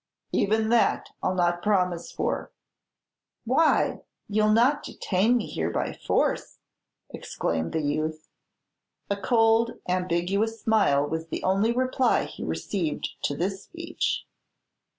"Even that I 'll not promise for." "Why, you 'll not detain me here by force?" exclaimed the youth. \ A cold, ambiguous smile was the only reply he received to this speech.